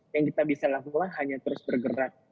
yang kita bisa lakukan hanya terus bergerak